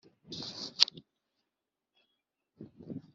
kabone n’ibyo mu nzozi nziza